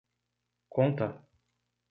Conta!